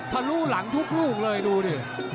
ทะลุหลังทุกลูกเลยดูดิ